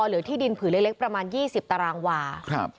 เลี้ยงเหรนเลี้ยงเหรน